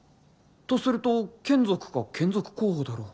とすると眷属か眷属候補だろう